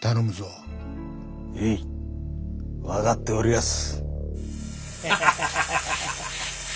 へい分かっておりやす。